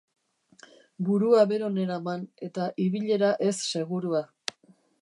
Burua bero neraman, eta ibilera ez segurua.